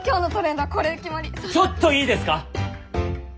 ちょっといいですか？